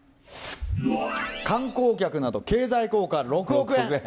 観光客など経済効果６億円。